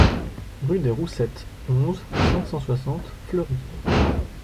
Rue des Roussettes, onze, cinq cent soixante Fleury